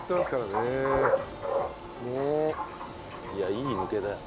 いやいい抜けだよ。